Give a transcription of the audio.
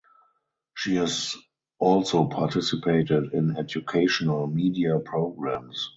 She has also participated in educational media programs.